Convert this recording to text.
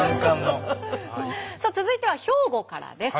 さあ続いては兵庫からです。